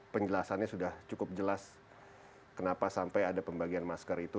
penjelasannya sudah cukup jelas kenapa sampai ada pembagian masker itu